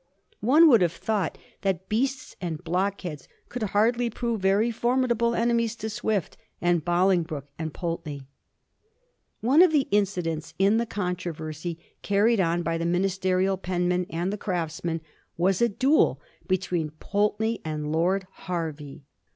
One would have thought that beasts and blockheads could hardly prove very formidable enemies to Swift and Bolingbroke and Pulteney. One of the incidents in the controversy carried on by the Miaisterial penmen and the Craftsman was a duel between Pulteney and Lord Hervey.